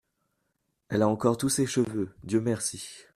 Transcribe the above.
Elle a encore tous ses cheveux, Dieu merci !